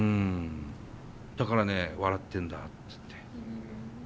だからね笑ってんだっつって。